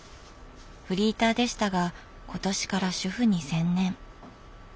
フリーターでしたが今年から主夫に専念。